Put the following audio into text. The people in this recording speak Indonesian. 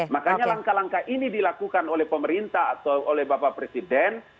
makanya langkah langkah ini dilakukan oleh pemerintah atau oleh bapak presiden